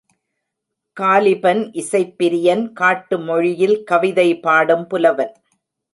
Caliban இசைப்பிரியன் காட்டு மொழியில் கவிதை பாடும் புலவன்.